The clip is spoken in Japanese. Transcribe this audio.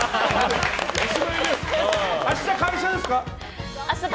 明日、会社ですか？